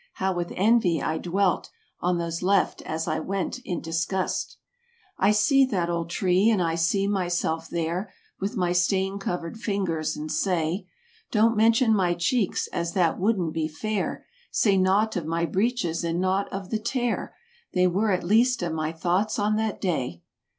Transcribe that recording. How with envy I dwelt On those left, as I went in disgust! ^«««««[ see that old tree, and I see myself there, With my stain covered fingers, and say. Don't mention my cheeks, as that wouldn't be fair; Say nought of my breeches and nought of the tear— They were least of my thoughts on that day.